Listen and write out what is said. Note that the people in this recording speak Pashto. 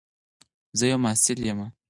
زه یو محصل یم.